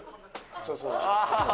そうそう。